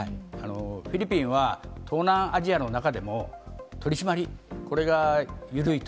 フィリピンは東南アジアの中でも取締り、これが緩いと。